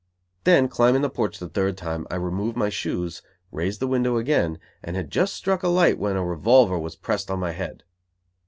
Then climbing the porch the third time, I removed my shoes, raised the window again, and had just struck a light when a revolver was pressed on my head.